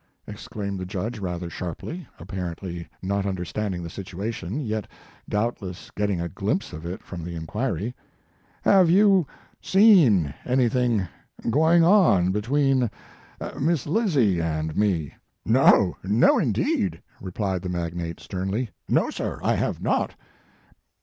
" exclaimed the judge rather sharply, apparently not under standing the situation, yet doubtless get ting a glimpse of it from the inquiry. "Have you seen anything going on between Miss Lizzie and me ?" "No, no, indeed !" replied the mag nate sternly. "No, sir; I have not."